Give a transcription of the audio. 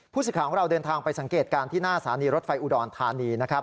ผู้ศึกราบของเราเดินทางไปสังเกตการที่หน้าซานีรถไฟอุดรฐานี